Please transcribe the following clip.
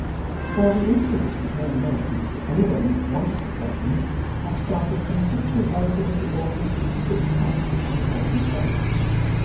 For, the instant it became known that anybody wanted the orphan, up started some affectionate relative of the orphan who put a price upon the orphan's head.